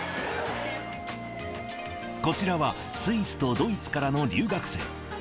こちらは、スイスとドイツからの留学生。